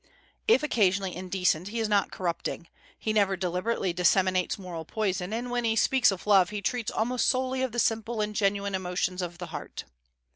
If occasionally indecent, he is not corrupting. He never deliberately disseminates moral poison; and when he speaks of love, he treats almost solely of the simple and genuine emotions of the heart.